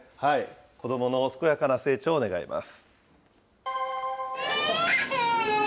子どもの健やかな成長を願います。